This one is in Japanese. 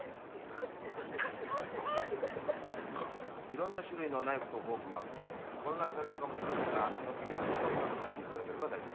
いろんな種類のナイフとフォークがあって混乱されるかもしれませんが基本的に外側から使っていただければ大丈夫です。